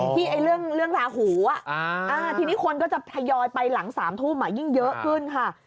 เรื่องราหูทีนี้คนก็จะทยอยไปหลัง๓ทุ่มยิ่งเยอะขึ้นค่ะ